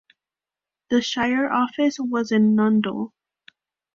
The shire office was in Nundle.